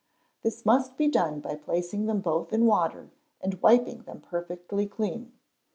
This must be done by placing them both in water and wiping them perfectly clean.